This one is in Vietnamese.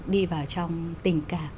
đi vào trong tình cảm